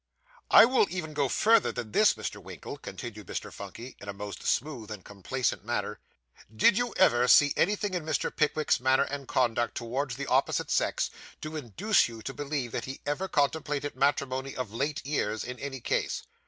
'I will even go further than this, Mr. Winkle,' continued Mr. Phunky, in a most smooth and complacent manner. 'Did you ever see anything in Mr. Pickwick's manner and conduct towards the opposite sex, to induce you to believe that he ever contemplated matrimony of late years, in any case?